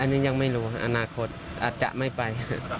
อันนี้ยังไม่รู้อนาคตอาจจะไม่ไป